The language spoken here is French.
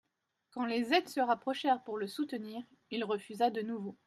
Quand les aides se rapprochèrent pour le soutenir, il refusa de nouveau.